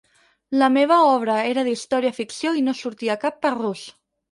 La meva obra era d'història ficció i no hi sortia cap parrús.